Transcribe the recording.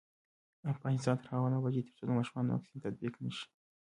افغانستان تر هغو نه ابادیږي، ترڅو د ماشومانو واکسین تطبیق نشي.